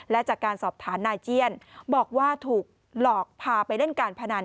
และจากการสอบถามนายเจียนบอกว่าถูกหลอกพาไปเล่นการพนัน